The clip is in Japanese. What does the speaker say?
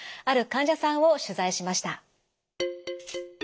ある患者さんを取材しました。